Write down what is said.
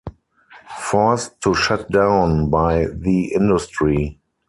Forced to shut down by the industry.